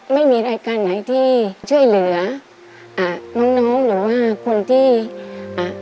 ไม่มีรายการไหนที่ช่วยเหลืออ่าน้องน้องหรือว่าคนที่อ่า